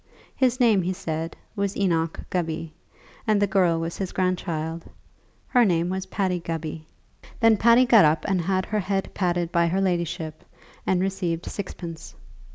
His name, he said, was Enoch Gubby, and the girl was his grandchild. Her name was Patty Gubby. Then Patty got up and had her head patted by her ladyship and received sixpence.